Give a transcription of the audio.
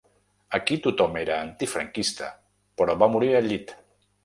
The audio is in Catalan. Aquí tothom era antifranquista, però va morir al llit.